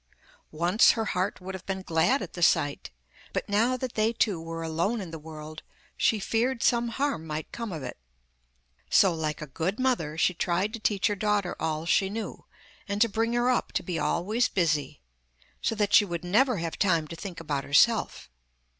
Once her heart would have been glad at the sight, but now that they two were alone in the world she feared some harm might come of it. So, like a good mother, she tried to teach her daughter all she knew, and to bring her up to be always busy, so that she would never have time to think about herself.